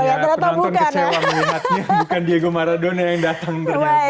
ya penonton kecewa melihatnya bukan diego maradona yang datang ternyata